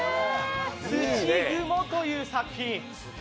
「土蜘蛛」という作品。